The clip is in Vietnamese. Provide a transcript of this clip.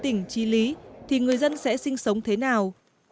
tỉnh trí lý thì người dân sẽ sinh sống thế nào